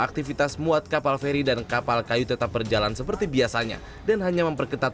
aktivitas muat kapal feri dan kapal kayu tetap berjalan seperti biasanya dan hanya memperketat